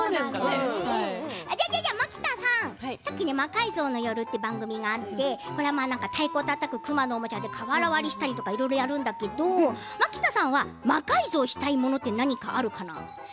さっき「魔改造の夜」という番組があってこれまで太鼓をたたく熊のおもちゃで瓦割りをしたりいろいろやるんだけど蒔田さんは魔改造したくなるものってある？